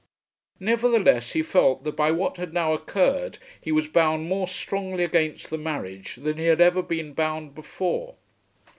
Nevertheless, he felt that by what had now occurred he was bound more strongly against the marriage than he had ever been bound before.